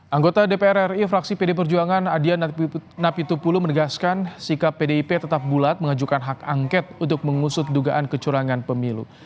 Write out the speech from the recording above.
anggota dpr ri fraksi pd perjuangan adian napitupulu menegaskan sikap pdip tetap bulat mengajukan hak angket untuk mengusut dugaan kecurangan pemilu